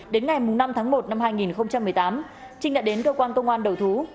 đến ngày năm tháng một năm hai nghìn một mươi tám trinh đã đến cơ quan công an đầu thú